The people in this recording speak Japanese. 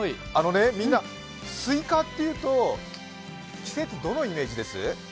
みんなすいかっていうと、季節、どのイメージです？